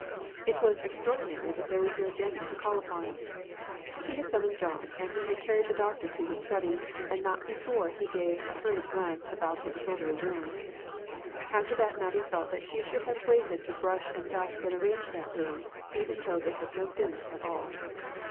It was extraordinary that there was no Jennie to to call upon. She had summoned John, and he had carried the doctor to his study, and not before he gave a hurried glance about the disorderly room. After that Mattie felt that she should have waited to brush and dust and arrange that room, even though they had no dinner at all